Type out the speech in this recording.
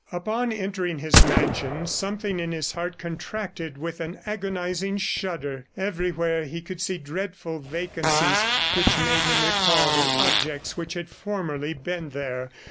Upon entering his mansion something in his heart contracted with an agonizing shudder. Everywhere he could see dreadful vacancies, which made him recall the objects which had formerly been there.